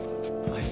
はい。